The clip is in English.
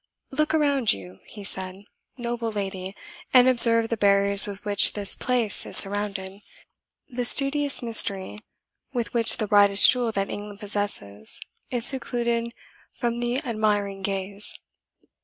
"Look around you," he said, "noble lady, and observe the barriers with which this place is surrounded, the studious mystery with which the brightest jewel that England possesses is secluded from the admiring gaze.